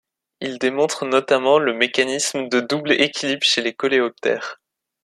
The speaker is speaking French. Il démontre notamment le mécanisme de double équilibre chez les coléoptères.